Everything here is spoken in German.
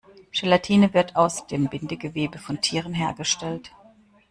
Gelatine wird aus dem Bindegewebe von Tieren hergestellt.